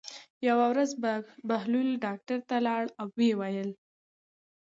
یوه ورځ بهلول ډاکټر ته لاړ او ویې ویل.